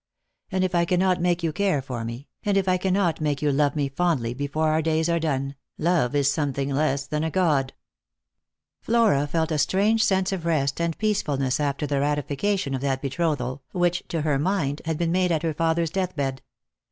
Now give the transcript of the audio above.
And if I cannot make you care for me, and if I cannot make you love me fondly before our days are done, love is something less than a god." Lost for Love. 253 Flora felt a strange sense of rest and peacefulness after the ratification of that betrothal which, to her mind, had been made at her father's death bed.